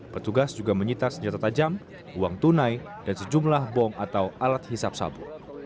petugas juga menyita senjata tajam uang tunai dan sejumlah bom atau alat hisap sabu